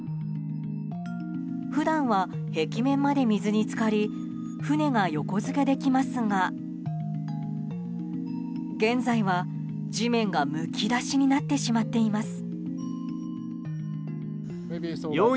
普段は壁面まで水に浸かり船が横付けできますが現在は地面が、むき出しになってしまっています。